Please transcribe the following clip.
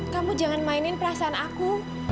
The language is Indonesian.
kamu jangan mainin perasaan aku